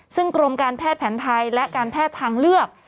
ซึ่งกรมการแพทย์แผนไทยและการแพทย์ทางเลือก